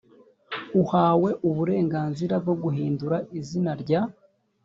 ahawe uburenganzira bwo guhindura izina rya